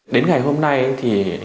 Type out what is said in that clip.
đến ngày hôm nay thì